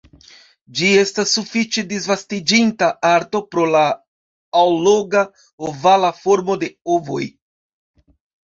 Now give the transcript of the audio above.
Ĝi estas sufiĉe disvastiĝinta arto pro la alloga, ovala formo de ovoj.